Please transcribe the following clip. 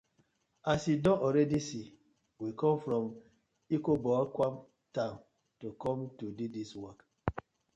As yu don already see, we com from Ekoboakwan town to com to do dis work.